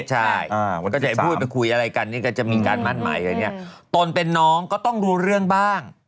ใช่ก็จะพูดไปคุยอะไรกันก็จะมีการมาดใหม่อะไรอย่างเนี่ยตนเป็นน้องก็ต้องรู้เรื่องบ้าง